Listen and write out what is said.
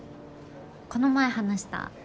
この前話した。